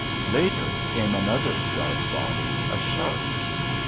Later came another dark body, a shark.